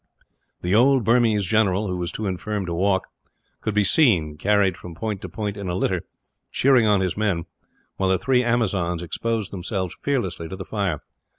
The old Burmese general who was too infirm to walk could be seen, carried from point to point in a litter, cheering on his men, while the three Amazons exposed themselves fearlessly to the fire.